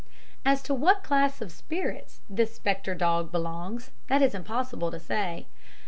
As to what class of spirits the spectre dog belongs, that is impossible to say.